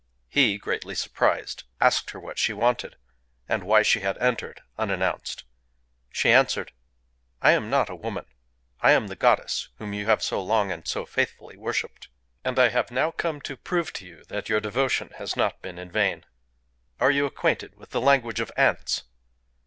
He, greatly surprised, asked her what she wanted, and why she had entered unannounced. She answered: "I am not a woman: I am the goddess whom you have so long and so faithfully worshiped; and I have now come to prove to you that your devotion has not been in vain... Are you acquainted with the language of Ants?"